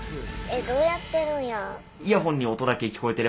えっどうやってるんや。